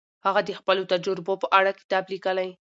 هغه د خپلو تجربو په اړه کتاب لیکلی.